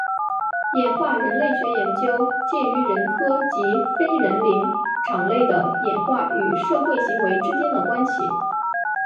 演化人类学研究介于人科及非人灵长类的演化与社会行为之间的关系。